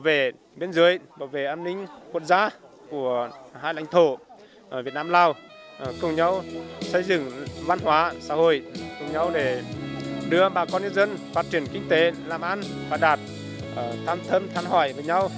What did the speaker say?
việt nam lào cùng nhau xây dựng văn hóa xã hội cùng nhau để đưa bà con nhân dân phát triển kinh tế làm ăn phát đạt tham thâm tham hỏi với nhau